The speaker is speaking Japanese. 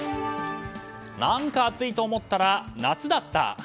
何か暑いと思ったら夏だった。